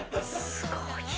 すごい。